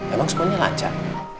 emang semuanya lancar